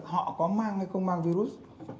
họ có mang hay không mang virus